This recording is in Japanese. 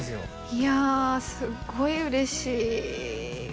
いやすっごい嬉しい